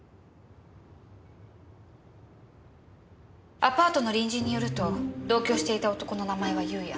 アパートの隣人によると同居していた男の名前は裕也。